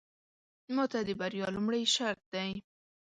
ماته د بريا لومړې شرط دی.